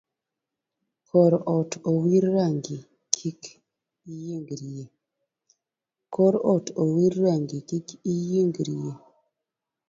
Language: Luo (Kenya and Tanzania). Kor ot owir rangi kik iyiengrie.